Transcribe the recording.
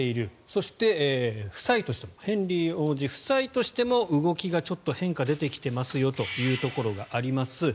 そして、夫妻としてもヘンリー王子夫妻としても動きが変化が出てきてますよというところがあります。